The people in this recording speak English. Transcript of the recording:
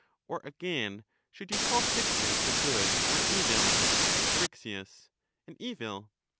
Or, again, should you call sickness a good or an evil? Eryx. An evil.